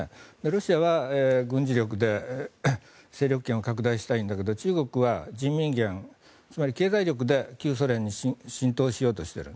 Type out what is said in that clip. ロシアは軍事力で勢力圏を拡大したいんだけど中国は人民元、つまり経済力で旧ソ連に浸透しようとしている。